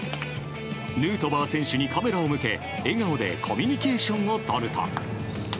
ヌートバー選手にカメラを向け笑顔でコミュニケーションをとると。